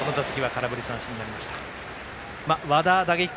この打席は空振り三振になりました。